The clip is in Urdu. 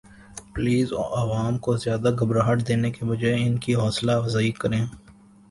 پیلز عوام کو زیادہ گھبراہٹ دینے کے بجاے ان کی حوصلہ افزائی کریں